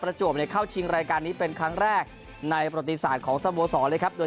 ประจวบเข้าชิงรายการนี้เป็นครั้งแรกในปฏิสารของสมโวษรเลยครับ